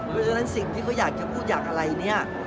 เพราะฉะนั้นสิ่งที่เขาอยากจะพูดอยากอะไรเนี่ย